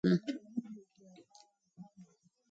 اوږده غرونه د افغانستان د بڼوالۍ برخه ده.